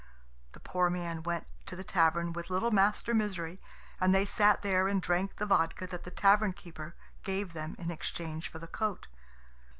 The poor man went to the tavern with little Master Misery, and they sat there and drank the vodka that the tavern keeper gave them in exchange for the coat.